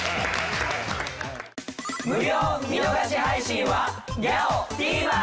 無料見逃し配信はＧＹＡＯ！